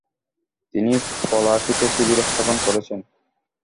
তিনি পলাশীতে শিবির স্থাপন করেছেন।